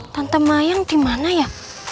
tante mayang dimana ya